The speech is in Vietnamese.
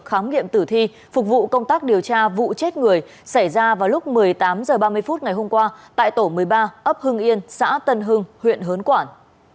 khám nghiệm tử thi phục vụ công tác điều tra vụ chết người xảy ra vào lúc một mươi tám h ba mươi phút ngày hôm qua tại tổ một mươi ba ấp hưng yên xã tân hưng huyện hớn quản